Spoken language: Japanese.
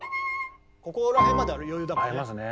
ここら辺まである余裕だもんね。